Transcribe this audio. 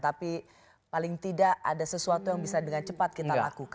tapi paling tidak ada sesuatu yang bisa dengan cepat kita lakukan